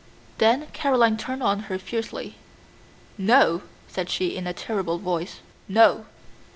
Then Caroline turned on her fiercely. "No," said she in a terrible voice. "No."